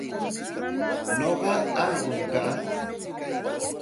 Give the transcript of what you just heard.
Nuqa ullqum kaa.